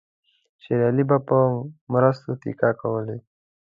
شېر علي به پر مرستو تکیه کولای.